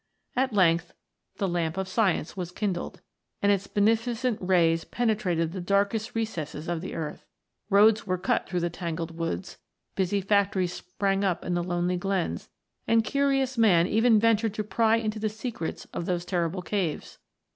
At length the lamp of science was kindled, and its beneficent rays penetrated the darkest recesses of the earth ; roads were cut through the tangled woods, busy factories sprang up in the lonely glens, and curious man even ventured to pry into the secrets of those terrible caves.